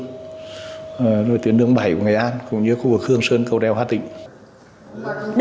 công an nghệ an cũng như công an nghệ an có biểu hiện bất minh về kinh tế và có dấu hiệu nghi vấn hoạt động mua bán trái phép chất ma túy